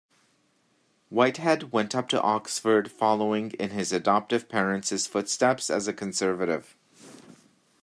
Whitehead went up to Oxford following in his adoptive parents' footsteps as a Conservative.